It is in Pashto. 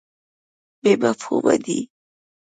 بې مفهومه دی.